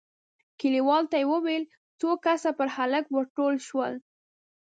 کليوالو ته يې وويل، څو کسه پر هلک ور ټول شول،